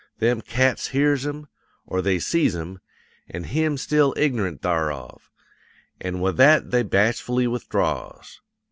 Them cats hears him, or they sees him, an' him still ignorant tharof; an' with that they bashfully withdraws.